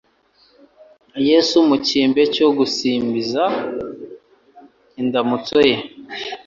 Yesu mu cyimbe cyo gusnbiza indamutso ye,